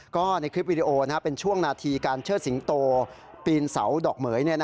ก็ในคลิปวิดีโอเป็นช่วงนาทีการเชิดสิงโตปีนเสาดอกเหมือย